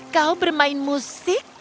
kau bermain musik